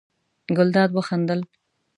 ګلداد وخندل.